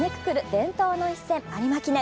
伝統の一戦有馬記念。